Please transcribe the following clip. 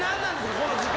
この時間。